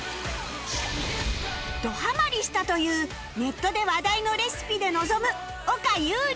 ドハマリしたというネットで話題のレシピで臨む岡佑吏